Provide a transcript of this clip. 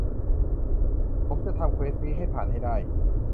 ผมจะทำเควสต์นี้ให้ผ่านให้ได้